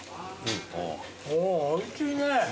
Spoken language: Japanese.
おおいしいね。